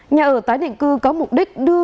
nhà ở tái định cư có mục đích đưa